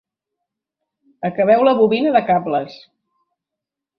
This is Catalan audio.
Acabeu la bobina de cables.